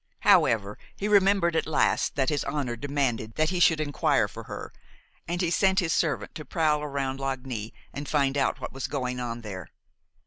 However, he remembered at last that his honor demanded that he should inquire for her, and he sent his servant to prowl around Lagny and find out what was going on there.